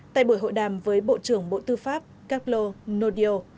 tại buổi hội đàm với bộ trưởng bộ tư pháp carlo nodio